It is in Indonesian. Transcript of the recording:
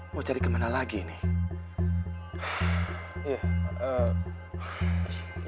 mau cari kemana lagi nih